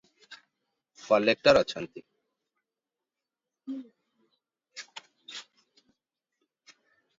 ଏଠାରେ ଜଣେ କଲେକ୍ଟର ଅଛନ୍ତି ।